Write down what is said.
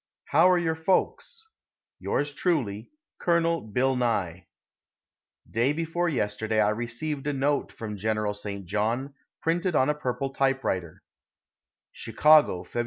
How are your folks? Yours truly, COL. BILL NYE. Day before yesterday I received the following note from General St. John, printed on a purple typewriter: CHICAGO, Feb.